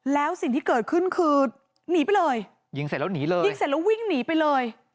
แล้วสิ่งที่เกิดขึ้นคือหนีไปเลยยิงเสร็จแล้วหนีเลยยิงเสร็จแล้ววิ่งหนีไปเลย